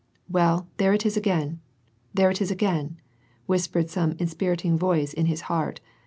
" Well, there it is again,, there it is again," whispered some inspiriting voice in his heart.